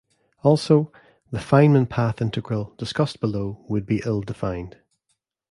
Also, the Feynman path integral discussed below would be ill-defined.